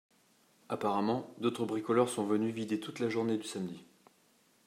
Apparemment, d’autres bricoleurs sont venus vider toute la journée du samedi